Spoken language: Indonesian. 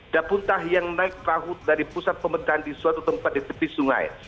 dapuntah yang naik perahu dari pusat pemerintahan di suatu tempat di tepi sungai